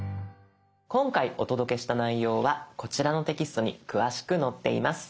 今回お届けした内容はこちらのテキストに詳しく載っています。